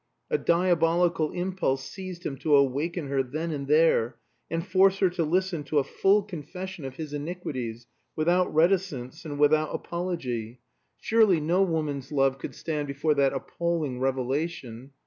A diabolical impulse seized him to awaken her then and there and force her to listen to a full confession of his iniquities, without reticence and without apology. Surely no woman's love could stand before that appalling revelation?